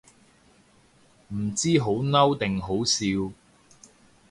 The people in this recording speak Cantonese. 唔知好嬲定好笑